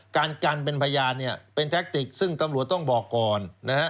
การกันเป็นพยานเนี่ยเป็นแท็กติกซึ่งตำรวจต้องบอกก่อนนะฮะ